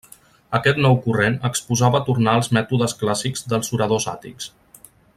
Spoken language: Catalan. Aquest nou corrent exposava tornar als mètodes clàssics dels oradors àtics.